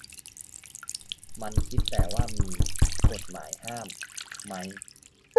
มันคิดแต่ว่ามี 'กฎหมายห้าม' มั้ย